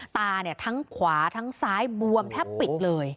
ตาเนี่ยทั้งขวาทั้งซ้ายบวมแทบปิดเลย